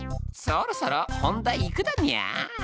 そろそろ本題いくだにゃー！